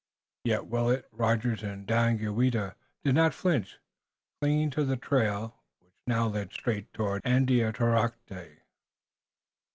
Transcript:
Yet Willet, Rogers and Daganoweda did not flinch, clinging to the trail, which now led straight toward Andiatarocte.